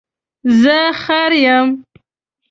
زه خر یم